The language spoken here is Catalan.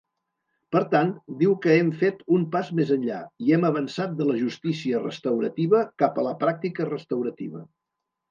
Per tant, diu que hem fet un pas més enllà i hem avançat de la justícia restaurativa cap a la pràctica restaurativa.